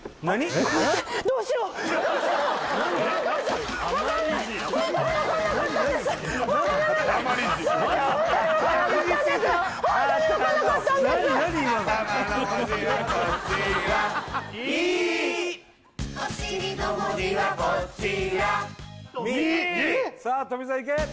えっ？さあ富澤いけ！